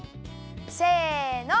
せの！